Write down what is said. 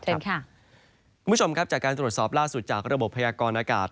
คุณผู้ชมครับจากการตรวจสอบล่าสุดจากระบบพยากรอากาศ